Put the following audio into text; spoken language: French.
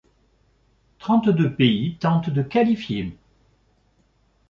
Trente-deux pays tentent de qualifier.